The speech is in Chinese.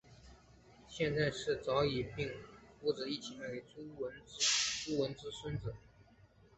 现在是早已并屋子一起卖给朱文公的子孙了